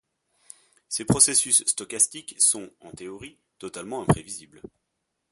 Ces processus stochastiques sont, en théorie, totalement imprévisibles.